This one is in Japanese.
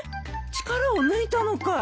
力を抜いたのかい。